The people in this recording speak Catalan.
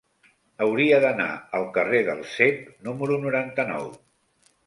Hauria d'anar al carrer del Cep número noranta-nou.